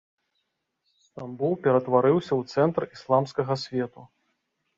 Стамбул ператварыўся ў цэнтр ісламскага свету.